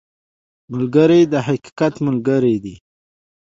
ملګری د حقیقت ملګری دی